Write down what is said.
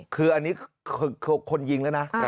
คืออันนี้คือคนยิงแล้วนะ